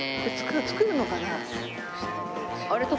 作るのかな？